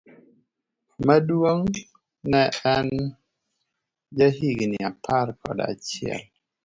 Maduong' ne en ja higni apar kod achiel.